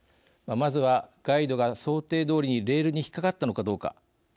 まずはガイドが想定どおりにレールに引っかかったのかどうか。